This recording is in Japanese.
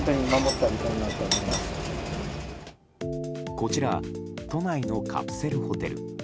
こちら、都内のカプセルホテル。